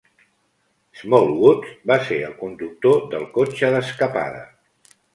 Smallwoods va ser el conductor del cotxe d'escapada.